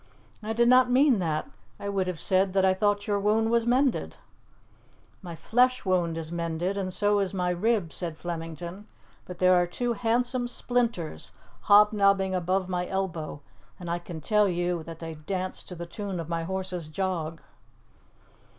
"I did not mean that. I would have said that I thought your wound was mended." "My flesh wound is mended and so is my rib," said Flemington, "but there are two handsome splinters hobnobbing above my elbow, and I can tell you that they dance to the tune of my horse's jog."